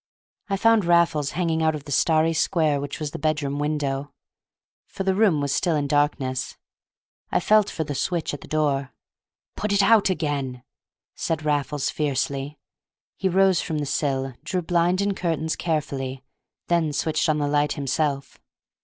I found Raffles hanging out of the starry square which was the bedroom window, for the room was still in darkness. I felt for the switch at the door. "Put it out again!" said Raffles fiercely. He rose from the sill, drew blind and curtains carefully, then switched on the light himself.